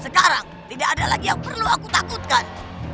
sekarang tidak ada lagi yang perlu aku takutkan